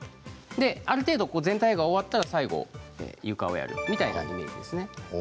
ある程度全体が終わったら最後床をやるみたいなイメージです。